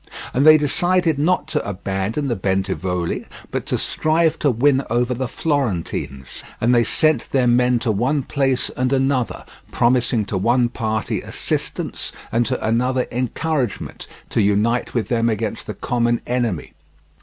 And they decided not to abandon the Bentivogli, but to strive to win over the Florentines; and they sent their men to one place and another, promising to one party assistance and to another encouragement to unite with them against the common enemy.